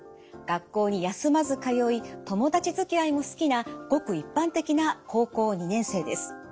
学校に休まず通い友達づきあいも好きなごく一般的な高校２年生です。